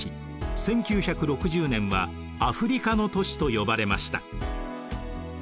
１９６０年は「アフリカの年」と呼ばれました。